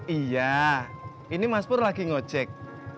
iya ini mas pur lagi ngecek